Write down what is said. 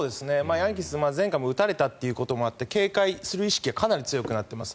ヤンキースは前回も打たれたということがあって警戒する意識はかなり強くなっています。